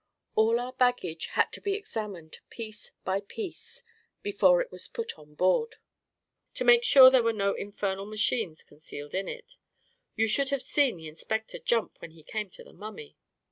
All our baggage had to be ex amined piece by piece before it was put on board, to make sure there were no infernal machines con cealed in it — you should have seen the inspector jump when he came to the mummy